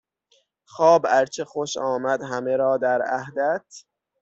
خواب ارچه خوش آمد همه را در عهدت